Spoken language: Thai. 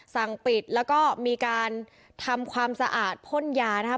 สั่งปิดแล้วก็มีการทำความสะอาดพ่นยานะครับ